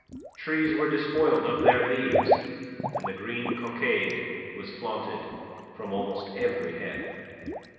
Trees were despoiled of their leaves, and the green cockade was flaunted from almost every head.